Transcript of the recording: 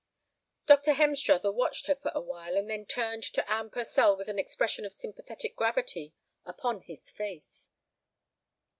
Dr. Hemstruther watched her for a while, and then turned to Anne Purcell with an expression of sympathetic gravity upon his face.